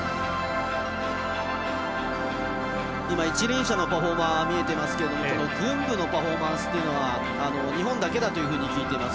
一輪車のパフォーマーが見えていますけれども群舞のパフォーマンスというのは日本だけだというふうに聞いています。